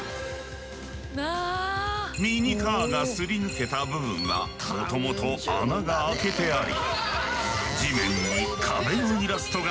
ミニカーがすり抜けた部分はもともと穴が開けてあり。